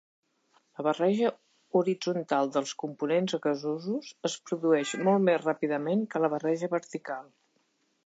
La barreja horitzontal dels components gasosos es produeix molt més ràpidament que la barreja vertical.